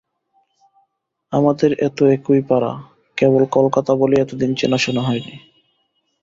আমাদের এ তো একই পাড়া– কেবল কলকাতা বলেই এতদিন চেনা-শোনা হয় নি।